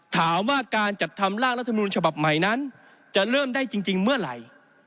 ถามว่าการจัดทำร่างรัฐมนูลฉบับใหม่นั้นจะเริ่มได้จริงเมื่อไหร่